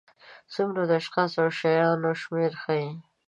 څومره د اشخاصو او شیانو شمېر ښيي.